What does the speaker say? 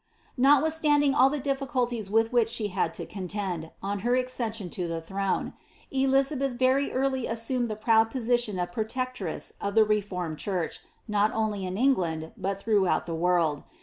Notwithstanding all the difficulties with which she had to contend, on her accession to the throne, Elizabeth venr early assumed the prood position of protectress of the reformed church, not only in England, bat throughout the world.